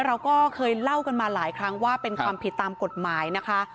เราก็เคยเล่ากันมาหลายครั้งว่าเป็นความผิดตามกฎหมายนะคะ